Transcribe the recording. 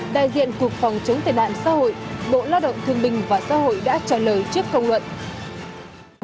đại diện cục phòng chống tệ nạn xã hội bộ lao động thương bình và xã hội đã trả lời trước công luận